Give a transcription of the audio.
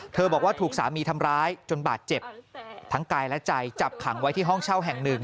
บอกว่าถูกสามีทำร้ายจนบาดเจ็บทั้งกายและใจจับขังไว้ที่ห้องเช่าแห่งหนึ่ง